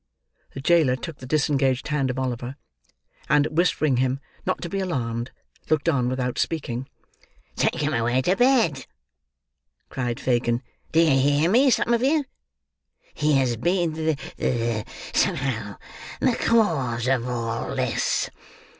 The jailer took the disengaged hand of Oliver; and, whispering him not to be alarmed, looked on without speaking. "Take him away to bed!" cried Fagin. "Do you hear me, some of you? He has been the—the—somehow the cause of all this.